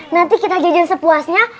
nanti kita jajan sepuasnya